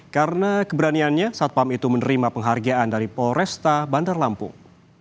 karena keberaniannya satpam itu menerima penghargaan dari polresta bandar lampung